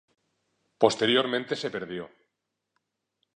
Posteriormente se perdió.